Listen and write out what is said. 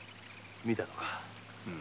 見たのか？